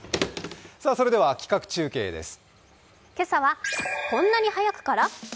それでは企画中継です。